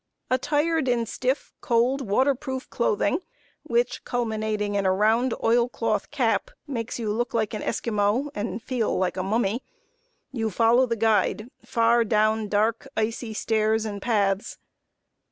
Attired in stiff, cold, water proof clothing, which, culminating in a round oil cloth cap, makes you look like an Esquimaux and feel like a mummy, you follow the guide far down dark, icy stairs and paths.